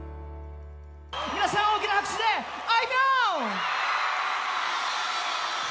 皆さん、大きな拍手であいみょん。